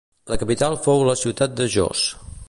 La capital fou la ciutat de Jos.